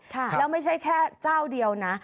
แล้วไม่ใช่แค่เจ้าเดียวนะ